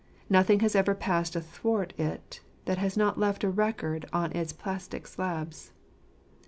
Nothing has ever passed athwart it that has not left a record on its plastic slabs.